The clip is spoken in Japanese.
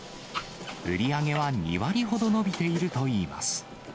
売り上げは２割ほど伸びているといいます。